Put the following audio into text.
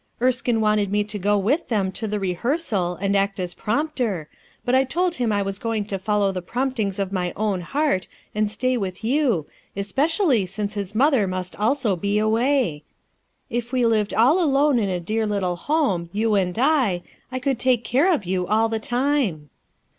Erskine wanted me to go with them to the rehearsal and act as prompter, but I told him I was going to follow the prompt ings of my own heart and stay with you, espe cially since his mother must also be away. If we lived all alone in a dear little home, you and I f I could take care of you all the time."